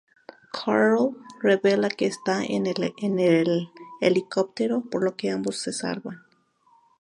Carl revela que está en el helicóptero, por lo que ambos se salvan.